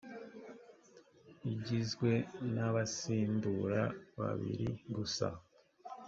igizwe n abasimbura babiri gusa